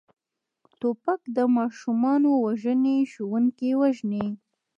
توپک ماشومان وژني، ښوونکي وژني.